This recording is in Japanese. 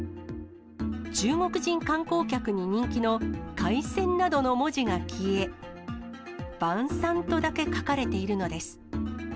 中国人観光客に人気の海鮮などの文字が消え、晩餐とだけ書かれているのです。